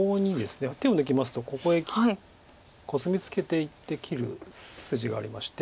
手を抜きますとここへコスミツケていって切る筋がありまして。